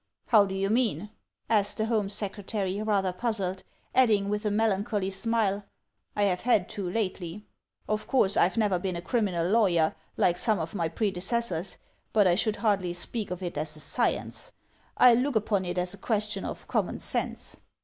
"How do you mean?" asked the Home Secretary, rather puzzled, adding with a melancholy smile, "I have had to lately. Of course, I've never been a criminal lawyer, like some of my predecessors. But I should hardly speak of it as a science; I look upon it as a question of common sense."